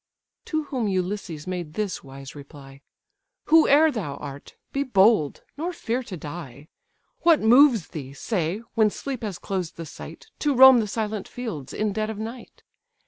To whom Ulysses made this wise reply: "Whoe'er thou art, be bold, nor fear to die. What moves thee, say, when sleep has closed the sight, To roam the silent fields in dead of night?